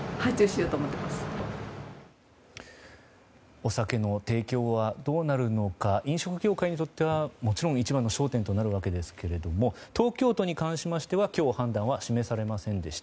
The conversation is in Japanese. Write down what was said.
お酒の提供はどうなるのか飲食業界にとってはもちろん一番の焦点となるわけですが東京都に関しては今日判断は示されませんでした。